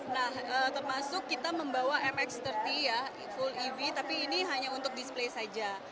nah termasuk kita membawa mx tiga puluh ya full ev tapi ini hanya untuk display saja